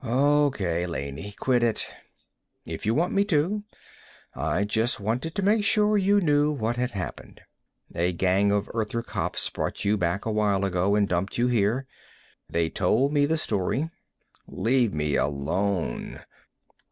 "Okay, Laney. Quit it." "If you want me to. I just wanted to make sure you knew what had happened. A gang of Earther cops brought you back a while ago and dumped you here. They told me the story." "Leave me alone."